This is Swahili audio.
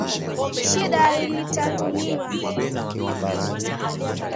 Shida ilitatuliwa.